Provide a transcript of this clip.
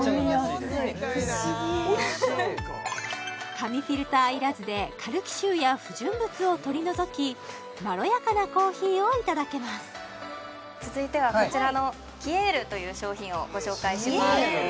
不思議おいしい紙フィルターいらずでカルキ臭や不純物を取り除きまろやかなコーヒーをいただけます続いてはこちらのきえるという商品をご紹介します